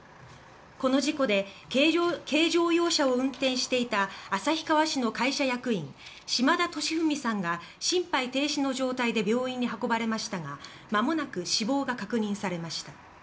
この事故で軽乗用車を運転していた旭川市の会社役員島田敏文さんが心肺停止の状態で病院に運ばれましたがまもなく死亡が確認されました。